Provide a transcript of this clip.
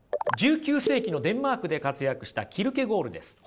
１９世紀のデンマークで活躍したキルケゴールです。